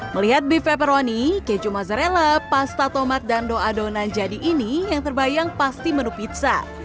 melihat beef pepperoni keju mozzarella pasta tomat dan dou adonan jadi ini yang terbayang pasti menu pizza